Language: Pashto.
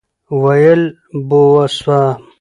ویل بوه سوم.